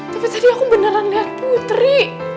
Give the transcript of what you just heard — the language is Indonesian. tapi tadi aku beneran lihat putri